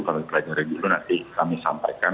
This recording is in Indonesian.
kalau dipelajari dulu nanti kami sampaikan